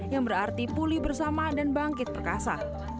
yang berarti pulih bersama dan bangkit perkasa